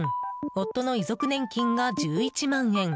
夫の遺族年金が１１万円。